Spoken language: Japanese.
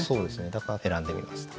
だから選んでみました。